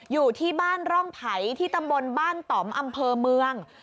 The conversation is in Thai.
อยู่ที่บ้านร่องไผ่ที่ตำบลบ้านต่อมอำเภอเมือง